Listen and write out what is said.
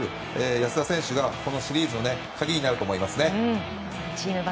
安田選手が、このシリーズの鍵になると思いますね。